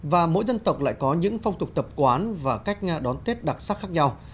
và mỗi dân tộc lại có những phong tục tập quán và cách đón tết đặc sắc khác nhau